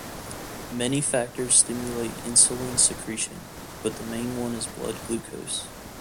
Many factors stimulate insulin secretion, but the main one is blood glucose.